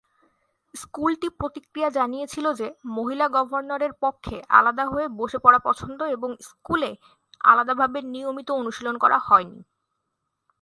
স্কুলটি প্রতিক্রিয়া জানিয়েছিল যে মহিলা গভর্নরের পক্ষে আলাদা হয়ে বসে পড়া পছন্দ এবং স্কুলে আলাদাভাবে নিয়মিত অনুশীলন করা হয়নি।